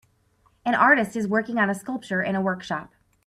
An artist is working on a sculpture in a workshop.